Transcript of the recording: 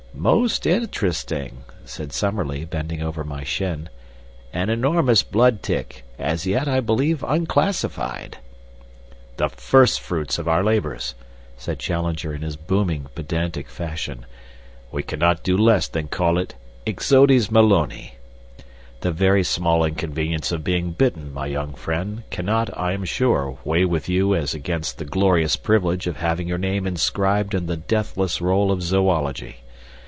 "Most interesting," said Summerlee, bending over my shin. "An enormous blood tick, as yet, I believe, unclassified." "The first fruits of our labors," said Challenger in his booming, pedantic fashion. "We cannot do less than call it Ixodes Maloni. The very small inconvenience of being bitten, my young friend, cannot, I am sure, weigh with you as against the glorious privilege of having your name inscribed in the deathless roll of zoology.